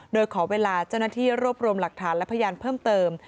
โดยขอเวลาเจ้าหน้าที่รวบรวมหลักฐานและพยานเพิ่มเติม